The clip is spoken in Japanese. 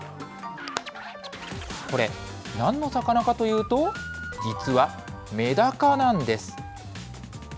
これ、なんの魚かというと、実はメダカなんです。